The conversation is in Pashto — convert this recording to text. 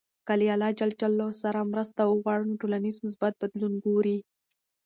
که له الله ج سره مرسته وغواړو، نو ټولنیز مثبت بدلون ګورﻱ.